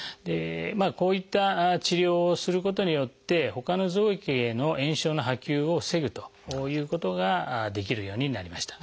こういった治療をすることによってほかの臓器への炎症の波及を防ぐということができるようになりました。